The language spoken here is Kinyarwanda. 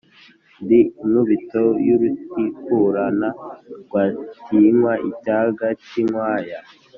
ndi inkubito ya rutikurana, rwagitinywa icyaga cy'inkwaya,